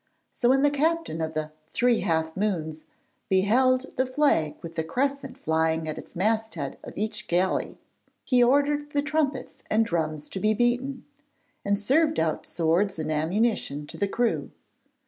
So when the captain of the 'Three Half Moons' beheld the flag with the crescent flying at the masthead of each galley, he ordered the trumpets and drums to be beaten, and served out swords and ammunition to the crew.